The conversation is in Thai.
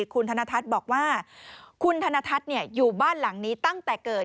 คุณธนทัศน์บอกว่าคุณธนทัศน์อยู่บ้านหลังนี้ตั้งแต่เกิด